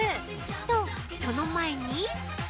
と、その前に。